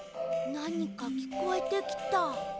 なにかきこえてきた。